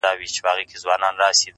همدغه مي بس ټوله پت – غرور دی د ژوند _